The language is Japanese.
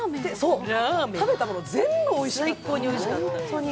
食べたもの全部おいしかった、ホントに。